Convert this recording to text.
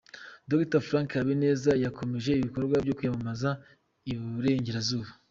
Dr Frank Habineza yakomereje ibikorwa byo kwiyamamaza i Burengerazuba.